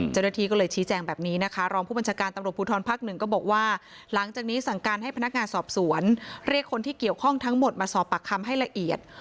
เจ้าหน้าที่ก็เลยชี้แจงแบบนี้นะคะรองผู้บัญชาการตำรวจภูทรภักดิ์หนึ่งก็บอกว่าหลังจากนี้สั่งการให้พนักงานสอบสวนเรียกคนที่เกี่ยวข้องทั้งหมดมาสอบปากคำให้ละเอียด